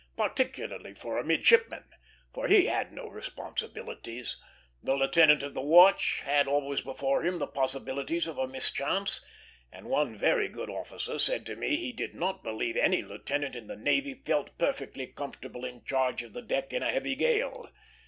Particularly for a midshipman, for he had no responsibilities. The lieutenant of the watch had always before him the possibilities of a mischance; and one very good officer said to me he did not believe any lieutenant in the navy felt perfectly comfortable in charge of the deck in a heavy gale.